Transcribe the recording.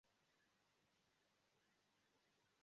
Ha jes, mi fakte konsultas tiun retejon de tempo al tempo.